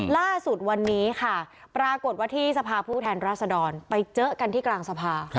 ล่าสุดวันนี้ค่ะปรากฏว่าที่สภาผู้แทนราษดรไปเจอกันที่กลางสภา